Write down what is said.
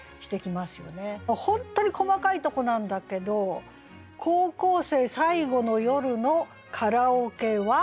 本当に細かいとこなんだけど「高校生最後の夜のカラオケは」。